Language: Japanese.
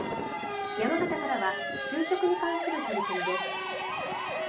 山形からは就職に関する取り組みです。